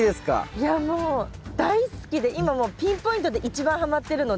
いやもう大好きで今もうピンポイントで一番はまってるので。